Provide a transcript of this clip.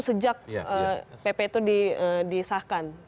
sejak pp itu disahkan